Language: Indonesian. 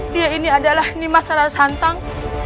dia ini adalah nimas sarasantang